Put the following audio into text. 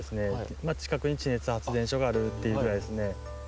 まあちかくに地熱発電所があるっていうぐらいですね。